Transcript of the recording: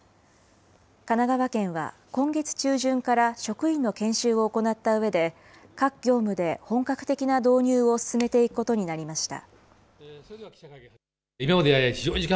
神奈川県は、今月中旬から職員の研修を行ったうえで、各業務で本格的な導入を進めていくことになりました。